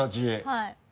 はい。